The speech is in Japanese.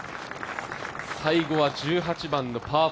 最後は１８番のパー